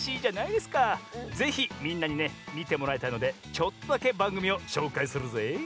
ぜひみんなにねみてもらいたいのでちょっとだけばんぐみをしょうかいするぜい！